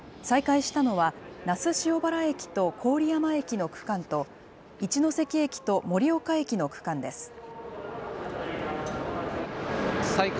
再開したのは、那須塩原駅と郡山駅の区間と、一ノ関駅と盛岡駅の区間です。